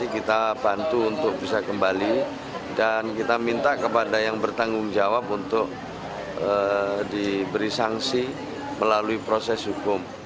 kita bantu untuk bisa kembali dan kita minta kepada yang bertanggung jawab untuk diberi sanksi melalui proses hukum